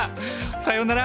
さようなら。